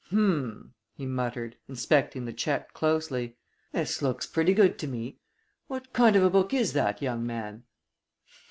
"H'm!" he muttered, inspecting the check closely. "This looks pretty good to me. What kind of a book is that, young man?"